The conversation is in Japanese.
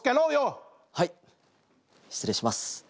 はい失礼します。